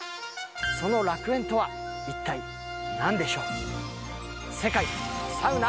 その楽園とは一体なんでしょう。